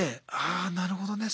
ああなるほどね。